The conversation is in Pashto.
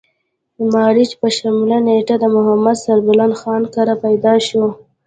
د مارچ پۀ شلمه نېټه د محمد سربلند خان کره پېدا شو ۔